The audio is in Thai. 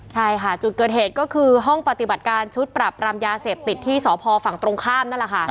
ใช่ค่ะจุดเกิดเหตุก็คือห้องปฏิบัติการชุดปรับรามยาเสพติดที่สพฝั่งตรงข้ามนั่นแหละค่ะ